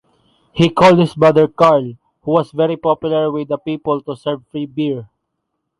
He called his brother, Carl, who was very popular with the people, to serve free beer.